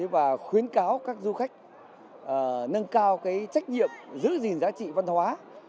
và khuyến cáo các du khách nâng cao trách nhiệm giữ gìn giá trị văn hóa